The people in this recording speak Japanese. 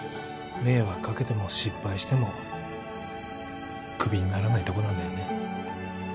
迷惑かけても失敗してもクビにならないとこなんだよね